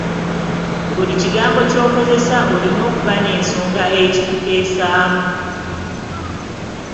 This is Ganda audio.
Buli kigambo ekikozesebwa olina okuba n'ensonga ekikuteesaamu.